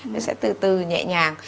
mẹ sẽ từ từ nhẹ nhàng